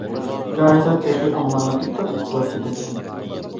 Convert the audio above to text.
گاھىدا تېخى ئاڭلاۋېتىپ تاتلىق ئۇخلاپ كېتەتتىم.